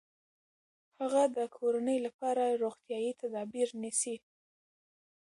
هغه د کورنۍ لپاره روغتیايي تدابیر نیسي.